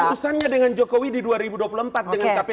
urusannya dengan jokowi di dua ribu dua puluh empat dengan kpk